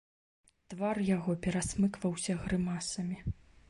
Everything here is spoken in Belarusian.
Твар яго перасмыкваўся грымасамі.